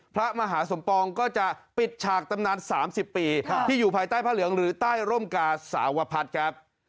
พระมหาสมปองก็จะปิดฉากตำนาน๓๐ปีที่อยู่ภายใต้พระเหลืองหรือใต้ร่มกาสาวพัฒน์ครับ